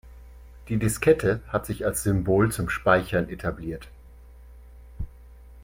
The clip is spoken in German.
Die Diskette hat sich als Symbol zum Speichern etabliert.